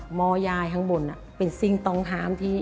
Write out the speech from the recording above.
หมอยายข้างบนเป็นสิ่งต้องห้ามที่